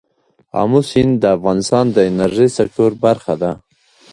آمو سیند د افغانستان د انرژۍ سکتور برخه ده.